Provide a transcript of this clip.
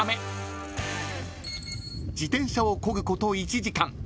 ［自転車をこぐこと１時間］